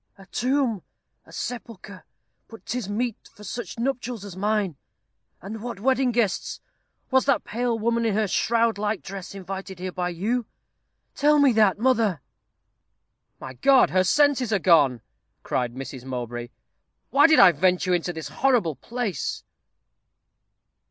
A tomb a sepulchre but 'tis meet for such nuptials as mine and what wedding guests! Was that pale woman in her shroud like dress invited here by you? Tell me that, mother." "My God, her senses are gone!" cried Mrs. Mowbray. "Why did I venture into this horrible place?"